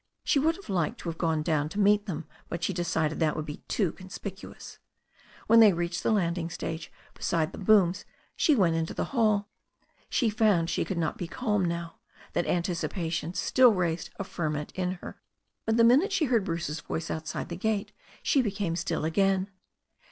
She would have liked to have gone down to meet them, but she decided that would be too conspicuous. When they reached the landing stage beside the booms she went into the hall. She found she could not be calm now, that anticipation could still raise a ferment in her. But the minute she heard Bruce's voice outside the gate she became still again.